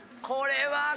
これは。